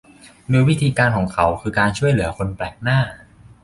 โดยวิธีการของเขาคือการช่วยเหลือคนแปลกหน้า